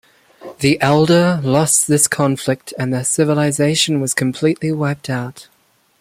The Aldar lost this conflict and their civilization was completely wiped out.